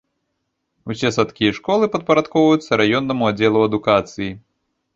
Усе садкі і школы падпарадкоўваюцца раённаму аддзелу адукацыі.